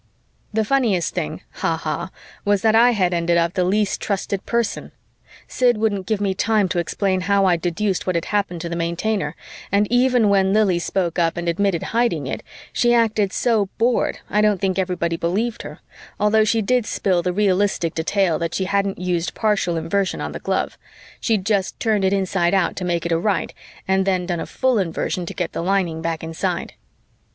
The funniest thing (ha ha!) was that I had ended up the least trusted person. Sid wouldn't give me time to explain how I'd deduced what had happened to the Maintainer, and even when Lili spoke up and admitted hiding it, she acted so bored I don't think everybody believed her although she did spill the realistic detail that she hadn't used partial Inversion on the glove; she'd just turned it inside out to make it a right and then done a full Inversion to get the lining back inside.